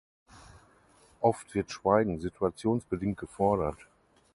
Oft wird Schweigen situationsbedingt gefordert.